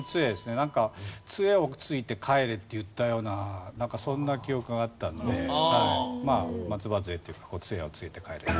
なんか杖をついて帰れって言ったようななんかそんな記憶があったのでまあ松葉杖というか杖をついて帰れ。